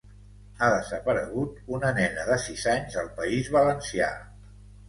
Ha desaparegut una nena de sis anys al País Valencià.